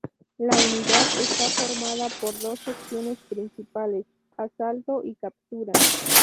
La unidad está formada por dos secciones principales: asalto y captura.